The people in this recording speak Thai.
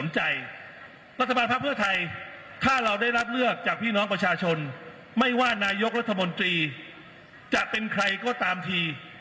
จะเลือกจากพี่น้องประชาชนไม่ว่านายกรัฐบนตรีจะเป็นใครก็ตามที